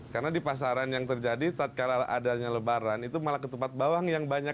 karena di pasaran yang terjadi karena adanya lebaran itu malah ketupat bawang yang banyak